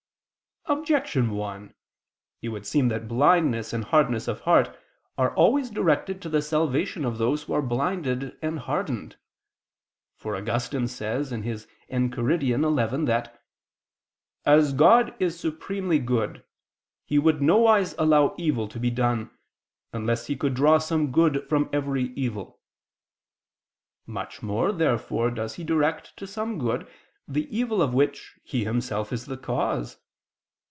Objection 1: It would seem that blindness and hardness of heart are always directed to the salvation of those who are blinded and hardened. For Augustine says (Enchiridion xi) that "as God is supremely good, He would nowise allow evil to be done, unless He could draw some good from every evil." Much more, therefore, does He direct to some good, the evil of which He Himself is the cause.